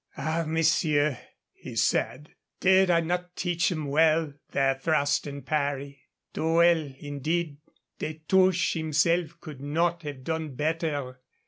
"Ah, monsieur," he said, "did I not teach them well their thrust and parry?" "Too well, indeed; Destouches himself could not have done better.